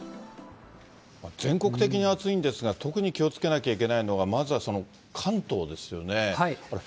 全国的に暑いんですが、特に気をつけなきゃいけないのが、まずはその関東ですよね。